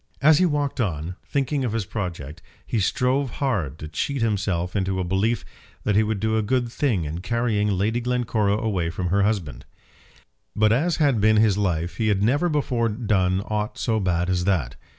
As he walked on, thinking of his project, he strove hard to cheat himself into a belief that he would do a good thing in carrying Lady Glencora away from her husband. Bad as had been his life he had never before done aught so bad as that.